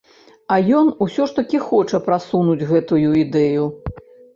А ён усё ж такі хоча прасунуць гэтую ідэю.